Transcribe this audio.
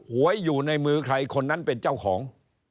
หวยอยู่ในมือใครคนนั้นเป็นเจ้าของ